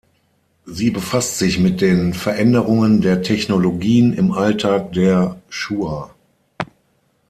Sie befasst sich mit den Veränderungen der Technologien im Alltag der Shuar.